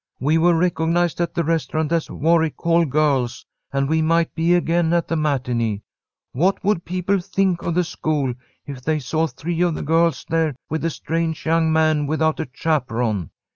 We were recognized at the restaurant as Warwick Hall girls, and we might be again at the matinée. What would people think of the school if they saw three of the girls there with a strange young man without a chaperon?"